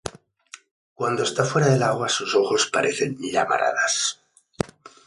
Cuando está fuera del agua sus ojos parecen llamaradas.